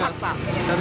dari jam empat kemarin